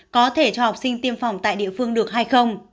có thể cho học sinh tiêm phòng tại địa phương được hay không